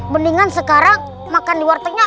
mendingan sekarang makan di wartegnya